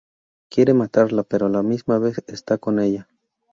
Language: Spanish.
Quiere matarla pero a la misma vez estar con ella.